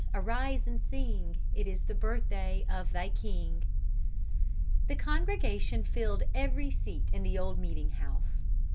Arise and sing; It is the birthday of thy King! The congregation filled every seat in the old Meeting House.